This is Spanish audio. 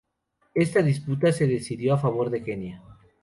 Esta disputa se decidió a favor de Kenia.